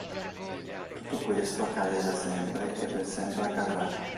Tutto questo accade da sempre e per sempre accadrà.